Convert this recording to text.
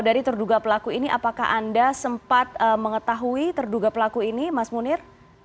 dari terduga pelaku ini apakah anda sempat mengetahui terduga pelaku ini mas munir